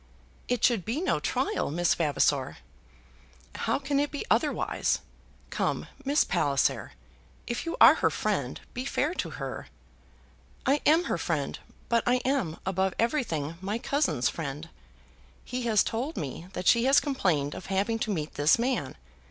"It should be no trial, Miss Vavasor." "How can it be otherwise? Come, Miss Palliser; if you are her friend, be fair to her." "I am her friend; but I am, above everything, my cousin's friend. He has told me that she has complained of having to meet this man.